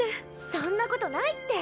そんなことないって！